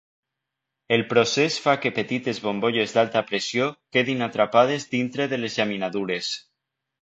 El procés fa que petites bombolles d'alta pressió quedin atrapades dintre de les llaminadures.